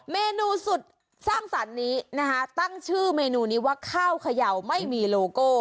เมนูสุดสร้างสรรค์นี้นะคะตั้งชื่อเมนูนี้ว่าข้าวเขย่าไม่มีโลโก้